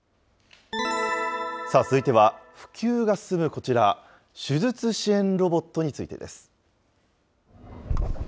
さあ、続いては普及が進むこちら、手術支援ロボットについてです。